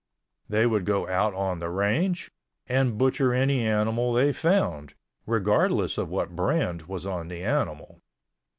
They would go out on the range, and butcher any animal they found, regardless of what brand was on the animal.